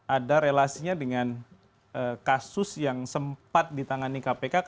ada relasinya dengan kasus yang sempat ditangani kpk